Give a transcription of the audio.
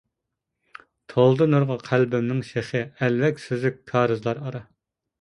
تولدى نۇرغا قەلبىمنىڭ شېخى، ئەلۋەك، سۈزۈك كارىزلار ئارا.